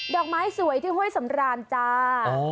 อกไม้สวยที่ห้วยสำราญจ้า